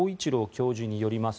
教授によります